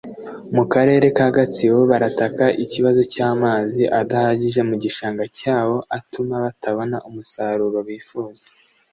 mu Karere ka Gatsibo barataka ikibazo cy’amazi adahagije mu gishanga cyabo atuma batabona umusaruro bifuza